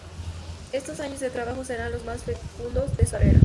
Estos años de trabajo serán los más fecundos de su carrera.